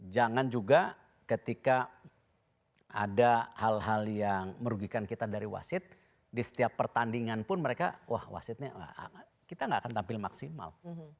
jangan juga ketika ada hal hal yang merugikan kita dari wasit di setiap pertandingan pun mereka wah wasitnya kita nggak akan tampil maksimal